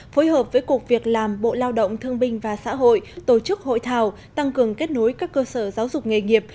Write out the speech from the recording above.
phối hợp với cục việc làm bộ lao động thương binh và xã hội tổ chức hội thảo tăng cường kết nối các cơ sở giáo dục nghề nghiệp